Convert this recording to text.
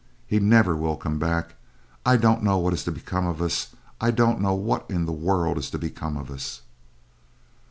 He never will comeback. I don't know what is to become of us. I don't know what in the world is to become of us."